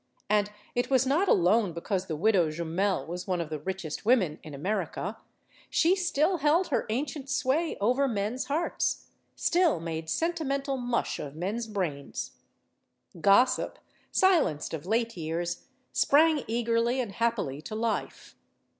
And it was not alone because the Widow Jumel was one of the richest women in America. She still held her ancient sway over men's hearts; still made sentimental mush of men's brains. Gossip, silenced of late years, sprang eagerly and happily to life.